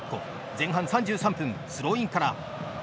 前半３３分、スローインから。